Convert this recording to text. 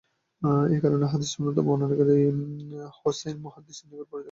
কারণ এ হাদীসের অন্যতম বর্ণনাকারী হুসায়ন মুহাদ্দিসদের নিকট পরিত্যক্ত।